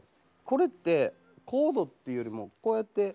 これってコードっていうよりもこうやって。